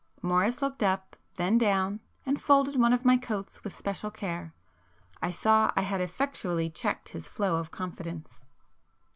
Morris looked up, then down, and folded one of my coats with special care. I saw I had effectually checked his flow of confidence.